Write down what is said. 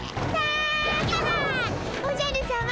おじゃるさま